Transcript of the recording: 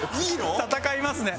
戦いますね。